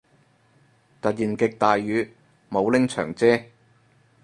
突然極大雨，冇拎長遮